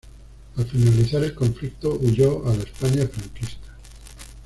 Al finalizar el conflicto huyó a la España franquista.